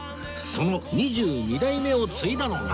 その二十二代目を継いだのが